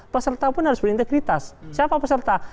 peserta pun harus punya integritas siapa peserta